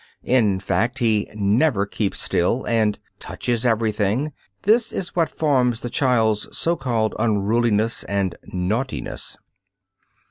_ In fact, he "never keeps still," and "touches everything." This is what forms the child's so called "unruliness" and "naughtiness."